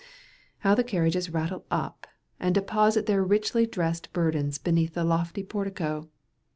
How the carriages rattle up, and deposit their richly dressed burdens beneath the lofty portico!